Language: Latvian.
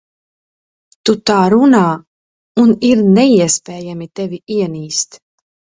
Tu tā runā, un ir neiespējami tevi ienīst.